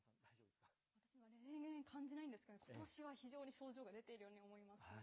私も例年感じないんですけど、ことしは非常に症状が出ているように思いますね。